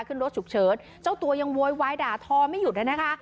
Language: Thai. ขึ้นรถฉุกเฉินเจ้าตัวยังโวยวายด่าทอไม่หยุดนะคะ